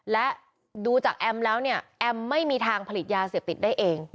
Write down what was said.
และดูจากแอมแล้วเนี่ยแอมไม่มีทางผลิตยาเสพติดได้เอง